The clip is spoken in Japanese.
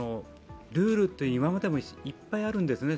ルールって今までもいっぱいあるんですね。